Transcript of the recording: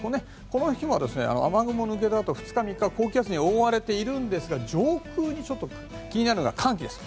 この日は雨雲抜けたあと２日、３日高気圧に覆われているんですが上空、気になるのが寒気です。